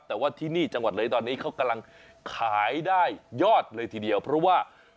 แต่ว่าที่นี่จังหวัดเลยตอนนี้เขากำลังขายได้ยอดเลยทีเดียวเพราะว่า